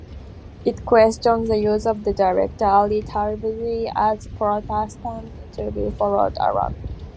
It questions the use of director Ali Tabrizi as protagonist to be followed around.